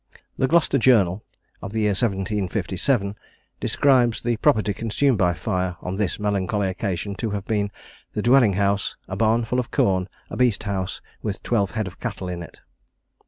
"The Gloucester Journal," of the year 1757, describes the property consumed by fire on this melancholy occasion to have been "the dwelling house, a barn full of corn, a beast house, with twelve head of cattle in it."